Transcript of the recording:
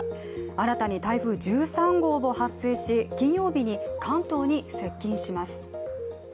新たに台風１３号も発生し金曜日に関東に接近します。